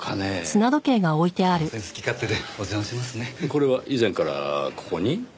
これは以前からここに？